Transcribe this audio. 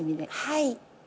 はい。